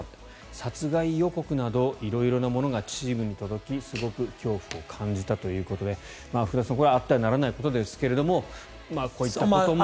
殺害予告など色々なものがチームに届きすごく恐怖を感じたということで福田さんあってはならないことですけどこういったことも。